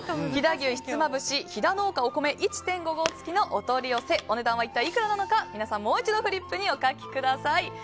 飛騨牛ひつまぶし飛騨農家お米１．５合付きのお取り寄せお値段はいくらなのか皆さんもう一度フリップにお書きください。